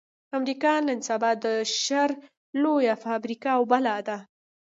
امريکا نن سبا د شر لويه فابريکه او بلا ده.